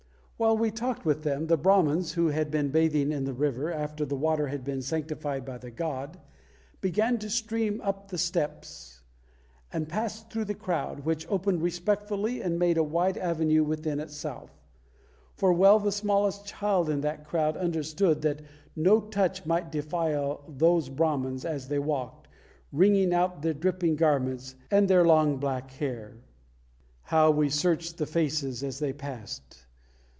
While we talked with them, the Brahmans, who had been bathing in the river after the water had been sanctified by the god, began to stream up the steps and pass through the crowd, which opened respectfully and made a wide avenue within itself: for well the smallest child in that crowd understood that no touch might defile those Brahmans as they walked, wringing out their dripping garments and their long black hair. How we searched the faces as they passed!